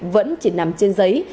vẫn chỉ nằm trên giấy